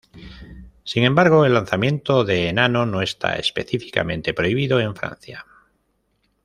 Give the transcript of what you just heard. Sin embargo, el lanzamiento de enano no está específicamente prohibido en Francia.